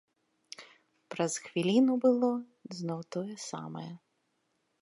Праз хвіліну было зноў тое самае.